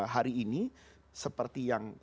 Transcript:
hari ini seperti yang